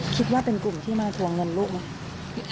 คิดว่าเป็นกลุ่มที่มาทวงเงินลูกไหม